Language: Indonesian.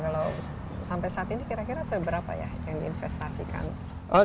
kalau sampai saat ini kira kira seberapa ya yang diinvestasikan